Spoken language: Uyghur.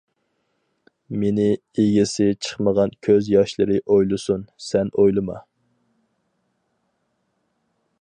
مېنى ئىگىسى چىقمىغان كۆز ياشلىرى ئويلىسۇن، سەن ئويلىما!